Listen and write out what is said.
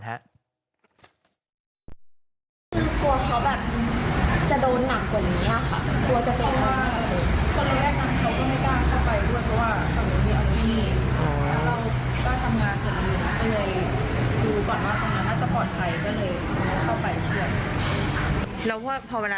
คนที่ถืออาวุธเนี่ยเขาหันมาอะไรกับพวกเรามั้ย